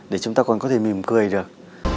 để chúng ta còn có thể mỉm cười được